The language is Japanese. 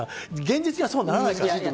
現実にはそうならない。